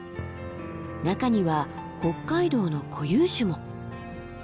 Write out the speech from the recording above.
中には北海道の固有種も。